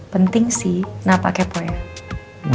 penting sih nah apa kepo ya